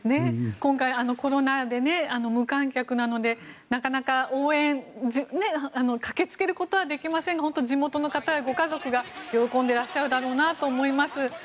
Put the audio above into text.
今回、コロナで無観客なのでなかなか応援駆けつけることはできませんが地元の方、ご家族が喜んでいらっしゃるだろうなと思います。